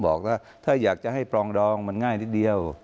ผมบอกแล้วถ้าอยากจะให้ปลองดองมันง่ายหลังเย้